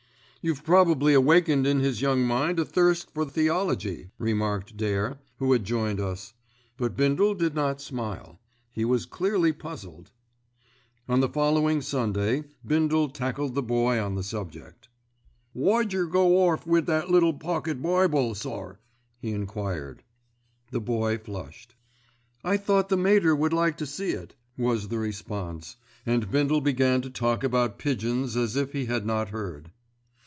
"You've probably awakened in his young mind a thirst for theology," remarked Dare, who had joined us. But Bindle did not smile. He was clearly puzzled. On the following Sunday, Bindle tackled the Boy on the subject. "Why jer go orf wi' that little pocket bible, sir?" he enquired. The Boy flushed. "I thought the Mater would like to see it," was the response, and Bindle began to talk about pigeons as if he had not heard.